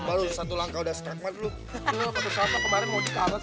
baru satu langkah udah strakmat lo